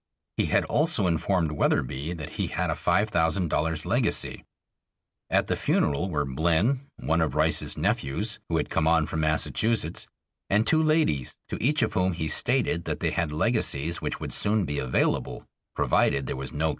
He had also informed Wetherbee that he had a five thousand dollars' legacy. At the funeral were Blynn, one of Rice's nephews, who had come on from Massachusetts, and two ladies, to each of whom he stated that they had legacies which would soon be available provided there was no contest of the will.